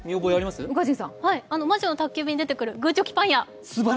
「魔女の宅急便」に出てくるグーチョキパン屋。